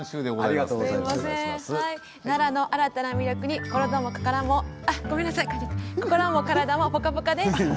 奈良の新たな魅力に心も体もポカポカです。